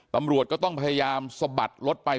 ตำรวจก็ต้องพยายามสะบัดรถไป